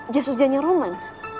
jas ujannya roman